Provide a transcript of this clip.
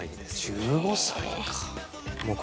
１５歳か。